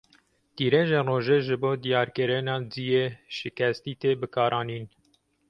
Tîrojên rojê ji bo diyarkirina ciyê şikestî tê bikaranîn.